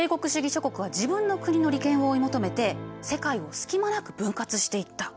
諸国は自分の国の利権を追い求めて世界を隙間なく分割していった。